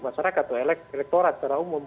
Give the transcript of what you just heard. masyarakat atau elektorat secara umum